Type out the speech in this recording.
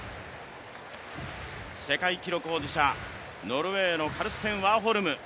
世界記録保持者、ノルウェーのカルステン・ワーホルム。